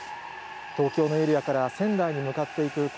東京のエリアから仙台に向かっていく